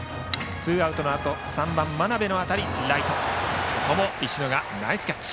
ツーアウトのあと３番、眞邉の当たりはライトの石野がナイスキャッチ。